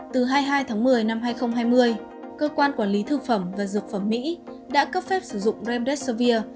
từ hai mươi hai tháng một mươi năm hai nghìn hai mươi cơ quan quản lý thực phẩm và dược phẩm mỹ đã cấp phép sử dụng ramdeservir